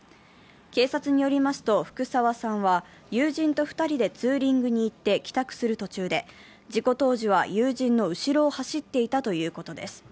警察によりますと、福沢さんは友人と２人でツーリングに行って帰宅する途中で事故当時は友人の後ろを走っていたということです。